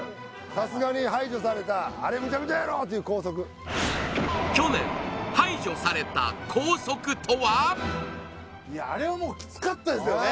さすがに排除されたあれムチャクチャやろっていう校則いやあれはもうキツかったですよね